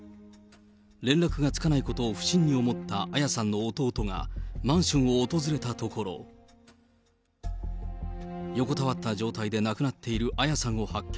連絡がつかないことを不審に思った彩さんの弟がマンションを訪れたところ、横たわった状態で亡くなっている彩さんを発見。